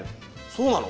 そうなの？